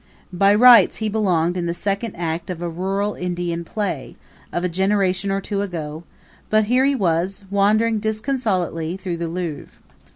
By rights, he belonged in the second act of a rural Indian play, of a generation or two ago; but here he was, wandering disconsolately through the Louvre.